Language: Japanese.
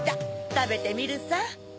たべてみるさ。